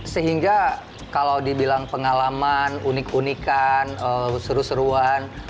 sehingga kalau dibilang pengalaman unik unikan seru seruan